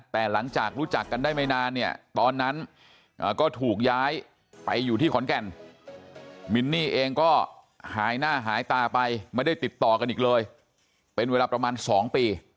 แต่หลังจากรู้จักกันได้ไม่นานเนี่ยตอนนั้นก็ถูกย้ายไปอยู่ที่ขอนแก่นมินนี่เองก็หายหน้าหายตาไปไม่ได้ติดต่อกันอีกเลยเป็นเวลาประมาณ๒ปี